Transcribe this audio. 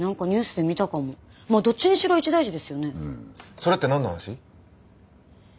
それって何の話？